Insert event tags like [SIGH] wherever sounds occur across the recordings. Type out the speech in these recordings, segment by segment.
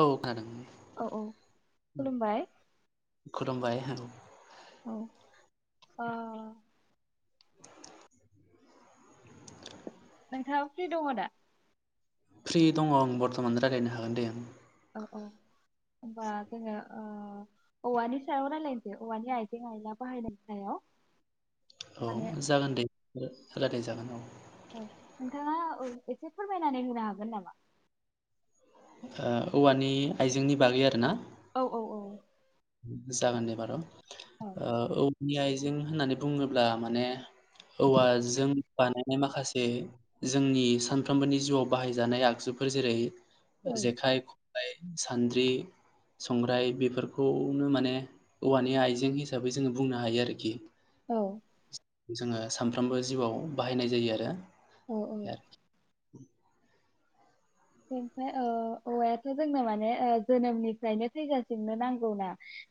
औ खोनादों। औ औ खुलुमबाय ‌। खुलुमबाय औ औ ओ नोंथाङा फ्रि दङ दा? फ्रि दङ आं बर्थमान रायलायनो हागोन दे ओं। औ औ होमबा जोङो ओ औवानि सायाव रायलायनोसै औवानि आइजें आयला बाहायनायनि सायाव। औ माने जागोन दे ‌। रायलाय जागोन औ‌। औ नोंथाङा औ एसे फोरमायनानै होनो हागोन नामा? ओ औवानि आइजेंनि बागै आरो ना? औ औ औ। जागोन दे बारु। औ ओ औवानि आइजे। जें होननानै बुङोब्ला माने औवाजों बानायनाय माखासे जोंनि सानफ्रोमबोनि जिउआव बाहायजानाय आगजुफोर जेरै औ जेखाय सानद्रि, संग्राय बेफोर खौनो माने औवानि आइजें हिसाबै जोङो बुंनो हायो आरोखि। औ। जोङो सानफ्रोमबो जिउआव बाहायनाय जायो आरो। औ औ। [INAUDIBLE] बेनिफ्राय ओ औवायाथ जोंनो माने ओ जोनोमनिफ्रायनो थैजासिमनो नांगौना।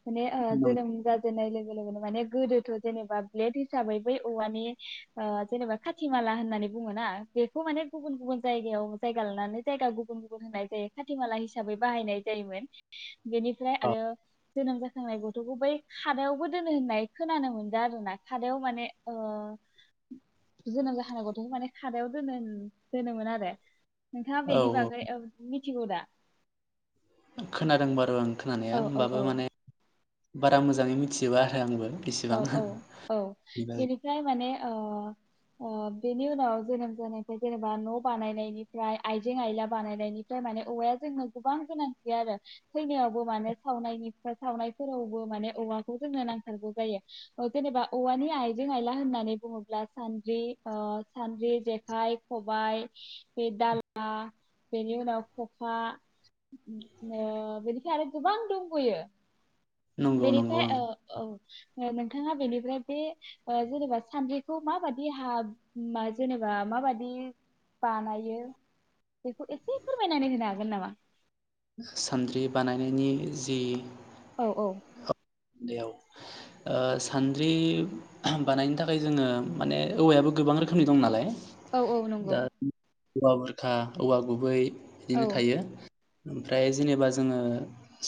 माने ओ नंगौ जोनोम जाजे जेननाय लोगो लोगोनो माने गोदोथ जेनेबा ब्लेड हिसाबै बै औवानि ओ जेनेबा खाथि माला होननानै बुङो ना बेखौ माने गुबुन गुबुन जायगायाव जायगा लानानै जायगा गुबुन गुबुन होनाय जायो खाथिमाला हिसाबै बाहायनाय जायोमोन। बेनिफ्राय औ आरो जोनोम जाखांनाय गथखौ बै खादायावबो दोनो होननाय खोनानो मोनदो आरोना, खादायाव माने ओ जोनोम जाखांनाय गथखौ माने खादायाव दोनो दोनोमोन आरो। [UNINTELLIGIBLE] औ बेनि औ बागै मिथिगौ दा। खोनादों [UNINTELLIGIBLE] औ खोनानाया औ औ होमबाबो माने बारा मोजाङै मिथिजोबा आरो आंबो। औ इसेबां औ औ बेनिफ्राय माने ओ ओ बेनि उनाव जोनोम जानायफाय जेनेबा न बानायनायनिफ्राय आइजें आयला बानायनायनिफ्राय माने औवाया जोंनो गोबां गोनांथि आरो थैनायावबो माने सावनायनिफ्राय सावनायफोरावबो माने औवाखौ जोंनो नांथारगौ। जायो ओ जेनेबा औवानि आइजें आइला होननानै बुङोब्ला सानद्रि ओ सानद्रि जेखाइ खबाय बे दाला बेनि उनाव खखा ओ बेनिफ्राय आरो गोबां दंबयो। नंगौ नंगौ बेनिफ्राय आं ओ औ नोंथाङा बेनिफ्राय बे ओ जेनेबा सान्द्रिखौ माबादि हा जेनेबा माबादि बानायो बेखौ एसे फोरमायनानै होनो हागोन नामा। सान्द्रि बानायनायनि जि औ औ। बेयाव ओ सान्द्रि बानायनो थाखाय जोङो माने औवायाबो गोबां रोखोमनि दं नालाय। औ औ नंगौ। दा औवा बुरखा औवा गुबै औ बिदिनो थायो। ओमफ्राय जेनेबा जोङो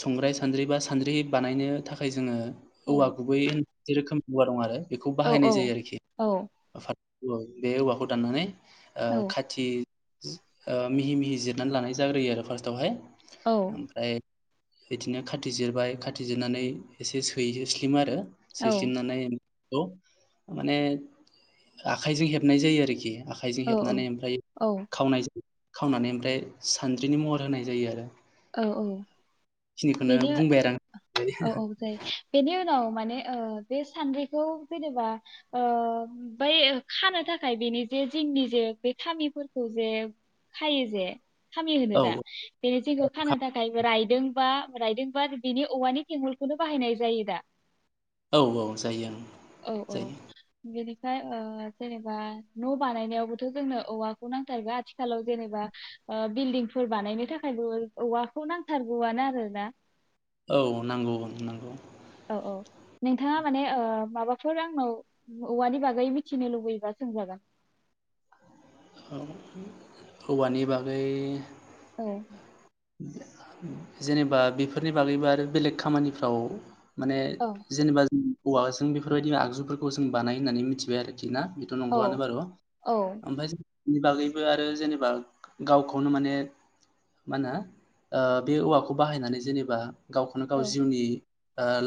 संग्राय सान्द्रि बा सानद्रि बानायनो थाखाय जोङो औवा औ गुबै रोखोम [UNINTELLIGIBLE] आरो। बेखौ औ औ बाहायनाय जायो आरोखि औ आफाद औ बे औवाखौ दाननानै औ ओ खाथि ओ मिहि मिहि जिरनानै लानाय जाग्रोयो आरो फार्स्टआवहाय औ ओमफ्राय बिदिनो खाथि जिरबाय खाथि जिरनानै एसे सैस्लिमो आरो सैसिननानै बेखौ माने आखायजों हेबनाय जायो आरोखि आखाइजों औ हेबनानै ओमफ्राय औ खावनाय जायो खावनानै ओमफ्राय सानद्रिनि महर होनाय जायो आरो औ औ खिनिखौनो बेनि बुंबाय आरो औ आं औ जायो बेनि उनाव माने ओ बे सान्द्रिखौ जेनेबा बै खानो थाखाय बेनि जे जिंनि जे बे खामिफोरखौ जे खायो जे खामि होनो दा बेज खानो थाखायबो राइ [UNINTELLIGIBLE] रायदोंबा बिनि औवानि थेंगलखौनो बाहायनाय जायो दा? औ औ जायो ओं। औ औ [UNINTELLIGIBLE] जायो ओमफ्राय ओ जेनेबा न' बानायनायावबोथ' जोंनो औवाखौ नांथारगौ आथिखालाव जेनेबा बिल्दिंफोर बानायनो थाखायबो औवाखौ नांथारगौआनो आरोना। औ नांगौ नांगौ। औ औ नोंथाङा माने माबाफोर आंनाव औवानि बागै मिथिनो लुबैयोबा सोंजागोन। हौवानि बागै औ। जेनेबा बेफोरनि बागैबो आरो बेलेग खामानिफ्राव माने औ जेनेबा जों औवाजों बेफोरबायदि आगजुफोरखौ जों बानाय होननानै मिथिबाय आरोखि ना। बेथ' औ नंगौआनो बारू औ ओमफ्राय [UNINTELLIGIBLE] बागैबो आरो जेनेबा गावखौनो माने मा होनो बे औवाखौ बाहायनानै जेनेबा गावखौनो गाव औ जिउनि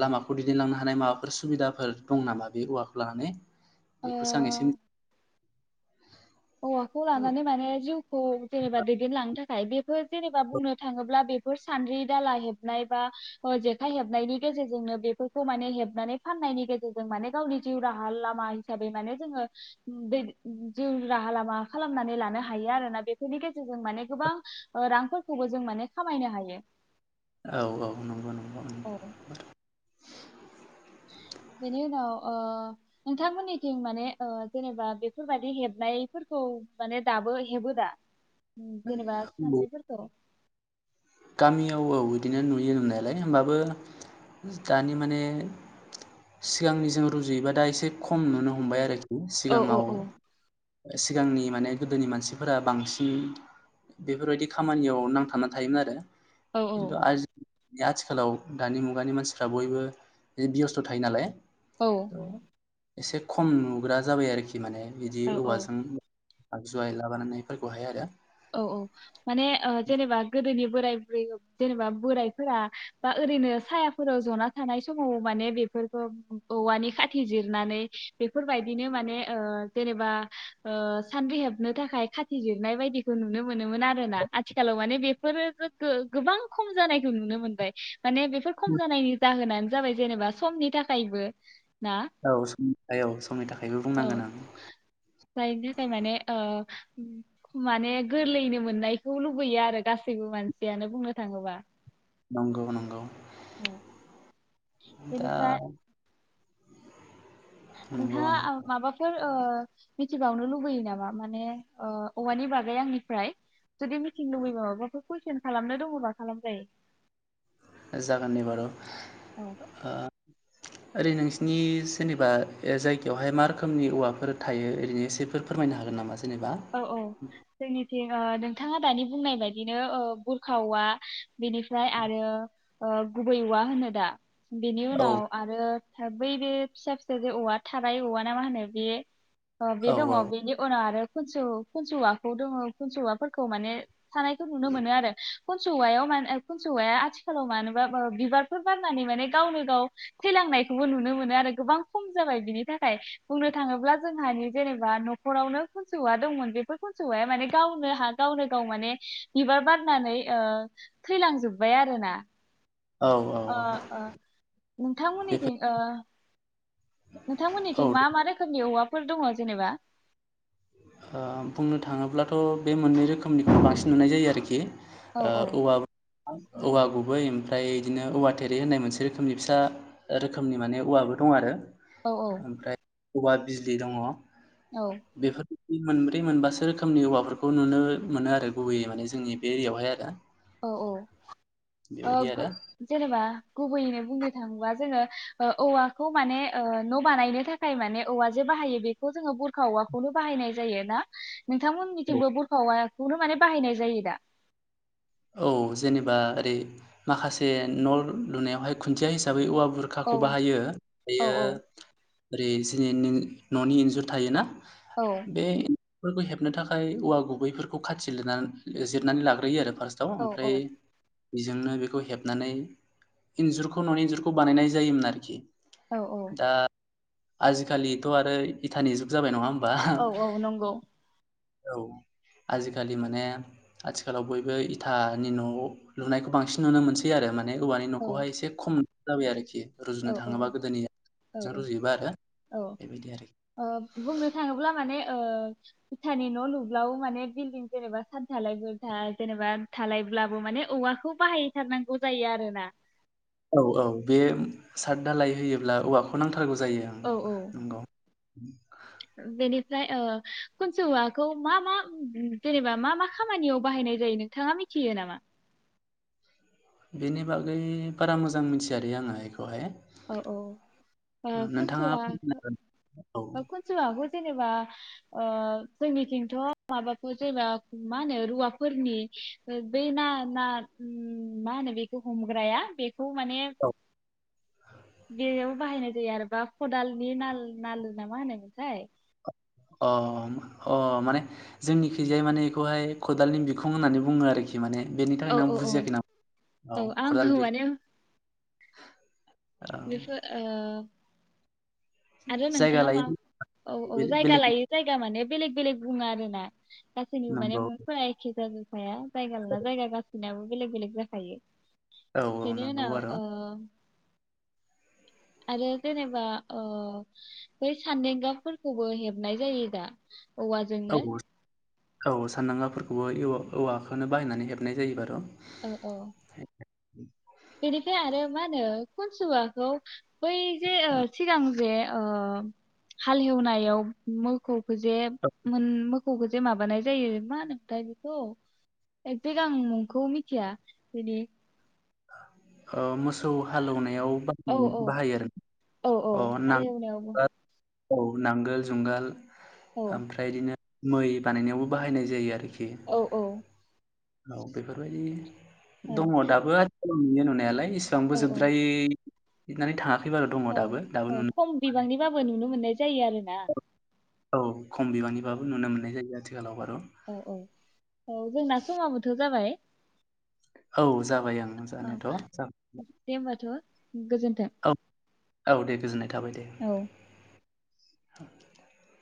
लामाखौ दैदेनलांनो हानाय माबाफोर सुबिदाफोर दं नामा बे औवाखौ लानानै? बेखौसो आं एसे ओ मिथि औवाखौ लानानै माने जिउ औे जेनेबा दैदेनलांनो थाखाय बेफोर जेनेबा बुंनो थाङोब्ला बेफोर सान्द्रि, दाला हेबनाय बा जेखाइ हेबनायनि गेजेरजोंनो बेफोरखौ माने हेबनानै फाननायनि गेजेरजों माने गावनि जिउ राहा लामा हिसाबै माने जोङो बे जिउ राहा लामा खालामनानै लानो हायो आरोना बेफोरनि गेजेरजों माने गोबां रांफोरखौबो जों माने खामायनो हायो। औ औ नंगौ नंगौ। औ [UNINTELLIGIBLE] बेनि उनाव ओ नोंथांमोननिथिं माने ओ जेनेबा बेफोरबायादि हेबनायफोरखौ माने दाबो हेबो दा? जेनोबा सानद्रिफोरखौ गामियाव औ बिदिनो नुयो नुनायालाय होमबाबो दानि माने सिगांनि जों रुजुयोबा दा एसे खम नुनो हमबाय आरोखि औ औ सिगाङाव औ सिगांनि माने गोदोनि मानसिफोरा बांसिन बेफोरबायदि खामानियाव नांथाबनानै थायोमोन आरो। औ खिनथु आजि [UNINTELLIGIBLE] आथिखालाव दानि मुगानि मानसिफ्रा बयबो बेस्थ' थायो नालाय। औ। एसे खम नुग्रा जाबाय आरोखि माने। बिदि औ औ औवाजों आगजु आयला बानायनायफोरखौहाय आरो। औ औ माने जेनेबा गोदोनि बोराय बुरै जेनेबा बोरायफोरा बा ओरैनो सायाफोराव जना थानाय समाव माने बेफोरखौ औवानि खाथि जिरनानै बेफोरबायदिनो माने जेनेबा सानदरि हेबनो थाखाय खाथि जिरनाय बायदि नुनो मोनोमोन आरो ना आथिखालाव माने बेफोरो गोबां खम जानायखौ नुनो मोनबाय। माने बेफोर खम जानायनि जाहोनानो जाबाय जेनेबा समनि थाखायबो। ना औ समनि थाखाय औ समनि थाखायबो बुंनांगोन ओं। जायाय माने ओ माने [UNINTELLIGIBLE] गोरलैयैनो मोननायखौ लुबैयो आरो गासैबो मानसियानो बुंनो थाङोबा। नंगौ नंगौ। औ। दा। बेनिफ्राय नंगौ नोंथाङा माबाफोर ओ मिथिबावनो लुुबैयो नामा माने औवानि बागै आंनिफ्राय जुदि मिथिनो लुबैयोबा माबाफोर कुइसन खालामनो दङबा खालामजायो। जागोन दे बारू औ ओ। ओरै नोंसिनि सोरनिबा जायगायावहाय मा रोखोमनि औवाफोर थायो ओरैनो एसेफोर फोरमायनो हागोन नामा? जेनेबा औ औ जोंनिथिं ओ नोंथाङा दानि बुंनाय बायदिनो बुरखा औवा बेनिफ्राय आरो गुबै औवा होनो दा। बेनि औ उनाव आरो बै बे फिसा फिसा जे औवा थाराय औवा ना मा होनो बे। अ बे औ दङ औ बेनि उनाव आरो खनसौ खनसौवाखौ दङ खनस'वाफोरखौ माने थानायखौ नुनो मोनो आरो खनसौवायाव मान खनसौवाया आथिखालाव मानोबा बिबारफोर बारनानै माने गावनो गाव थैलांनायखौबो नुनो मोनो आरो गोबां खम जाबाय बिनि थाखाय बुंनो थाङोब्ला जोंहानि जेनेबा न'खरावनो खनसौवआ दंमोन बेफोर खनसौाया माने गावनो हाय गावनो गाव माने बिबार बारनानै थैलांजोब्बाय आरो ना। औ औ नोंथांमोननिथि बेफोर ओ औ ओ नोंथांमोननिथिं मा मा रोखोमनि औवा‌ फोर दङ जेनेबा? बुंनो थाङोब्लाथ' बे मोननै रोखोमनिखौ बांसिन नुनाय जायो आरोखि। औ ओवा औवा गुबै ओमफ्राय बिदिनो औवा थेरै होननाय मोनसे रोखोमनि फिसा रोखोमनि माने औवाबो दं आरो। औ ओमफ्राय‌ बबेबा बिजलीदङ। औ बेफोर बे मोनब्रै मोनबासो रोखोमनि औवाफोरखौ नुनो मोनो आरो गुबैयै माने जोंनि बे एरियायावहाय आरो। औ औ। ओ बेबायदि गु आरो जेनेबा गुबैयैनो बुंनो थाङोबा जोङो औवाखौ माने ओ न' बानायनो थाखाय माने औवा जे बाहायो बेखौ जोङो बुरखा औवाखौनो बाहायनाय जायो ना? औ नोंथांमोननिथिबो बुरखा औवाया बेखौनो माने बाहायनाय जायो दा औ जेनेबा ओरै माखासे न' लुनायावहाय खुन्थिया हिसाबै औवा औ बुरखाखौ बाहायो औ बेयो औ ओरै जोंनि न'नि इन्जुर थायोना औ बे फोरखौ हेबनो थाखाय औवा गुबैफोरखौ खाथि लिरनानै जिरनानै लाग्रोयो आरो फारसे दाव औ औ ओमफ्राय बेजोंनो बेखौ हेबनानै इन्जुरखौ न'नि इन्जुरखौ बानायनाय जायोमोन आरोखि औ औ दा आजिखालिथ' आरो इथानि जुग जाबाय नङा होम औ औ नंगौ औ आजिखालि माने आथिखालाव बयबो हानि न लुनायखौ बांसिन नुनो मोनसै आरो ना ने औवानि औ न'खौहाय एसे खम दा बे आरोखि औ रुजुनो औ थाङोबा गोदोनिजों औ औ रुजुयोबा आरो औ बेबायदि आरोखि ओ बुंनो थाङोब्ला माने ओ फथानि न' लुब्लाबो माने बिल्डं जेनेबा साथ थालायफोर थाय जेनेबा थालायब्लाबो माने औवाखौ बाहायथारनांगौ जायो आरो ना औ औ बे साद धालाय होयोब्ला औवाखौ नांथार थारगौ जायो ओं औ औ नंगौ [INAUDIBLE] बेनिफ्राय ओ कुनसुवाखौ मा मा जेनेबा मा मा खामानियाव बाहायनाय जायो नोंथाङा मिथियो नामा? बेनि बागै बारा मोजां मिथियारि आङो एखो औ औ ओ नोंथाङा खनसआ फोरमायनो हागोन। खनस'आबो जेनेबा ओ जोंनिथिंथ' माबाखौ जेनेबा मा होनो रुवाफोरनि बै ना ना मा होनो बेखौ हमग्राया बे औ माने औ बेबो बाहायनाय जायो आरोबा खदालनि नाल नाल नामा होनोमोनथाय अम अ माने जोंनि खैजाय माने बेखौहाय खदालनि बिखुं होननानै बुङो आरोखि माने बेनि औ थाखायनो आं औ औ बुजियाखै नाम औ आंबो खदाल बि हो माने बेफोर ओ आरो जायगा नोंथाङा लायै मा औ औ जायगा बेलेग लायो जायगा माने बेलेग बेलेग बुङो आरोना गासैनिबो माने नंगौ मुंफोरा एखे जाजोबखाया जायगा ला ना जायगा गासैनाबो बेलेग बेलेग जाखायो औ औ बेनि नंगौ उनाव आरो ओ आरो जेनेबा ओ बै सान्देंगाफोरखौबो हेबनाय जायो दा औवाजोंनो औ सानदांगाफोरखौबो एवा औवाखौनो बाहायनानै हेबनाय जायो बार'। औ औ। बेनिफ्राय आरो मा होनो खुनसुवाखौ बै जे सिगां जे आं हालेवनायाव मोखौ जे मोनबो मोखौखौ जे माबानाय जायो मा नोंथाय बेखौ एखसेेग आां नुंखौ मिथिया बिनि आ मोसौ मोसौ हालौवनायावाह औ औ बाहायो आरो औ औ अ हालेवनायावबो नांगा औ नांगोल जुंगाल औ ओमफ्राय बिदिनो मै बानायनायावबो बाहायनाय जायो आरोखि‌ औ खि औ औ बेफोरबायदि औ दङ दाबो। नुयो नुनायालाय। इसिबांबो औ जोबद्राय नानै थाङाखै बार' दङ औ दाबो दाबो औ नुनो खम माने बिबांनिबाबो नुनो मोननाय जायो आरो ना औ खम बिबांनिबाबो नुनो मोननाय जायो आथिखालाव बो। औ औ औ जोंना समाबोथ' जाबाय औ जाबाय ओं औ जानायाथ' जाबाय। दे होमबाथ' गोजोन्थों। औ औ दे गोजोननाय थाबाय दे औ [INAUDIBLE]